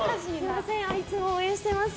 いつも応援してます。